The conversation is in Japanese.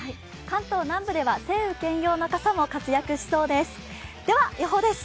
関東南部では晴雨兼用の傘も活躍しそうです。